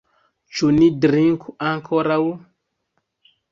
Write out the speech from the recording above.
Ĉu ni drinku ankoraŭ?